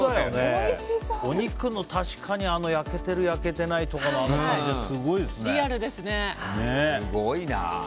お肉の、確かに焼けてる焼けてないとかの感じすごいですね。